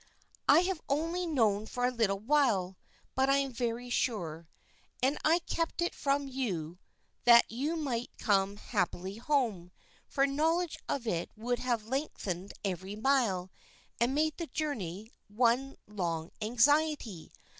"I have only known it for a little while, but I am very sure, and I kept it from you that you might come happily home, for knowledge of it would have lengthened every mile, and made the journey one long anxiety.